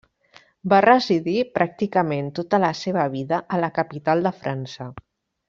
Va residir pràcticament tota la seva vida a la capital de França.